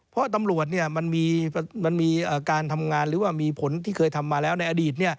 เพราะตำรวจมันมีการทำงานหรือว่ามีผลที่เคยทำมาแล้วในอดีต